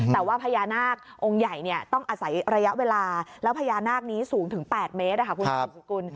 แต่ว่าพญานาคองค์ใหญ่ต้องอาศัยระยะเวลาแล้วพญานาคนี้สูงถึง๘เมตรคุณสุดสกุล